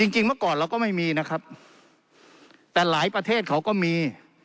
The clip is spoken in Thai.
จริงเมื่อก่อนเราก็ไม่มีนะครับแต่หลายประเทศเขาก็มี